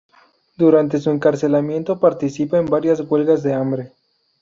Durante su encarcelamiento, participa en varias huelgas de hambre.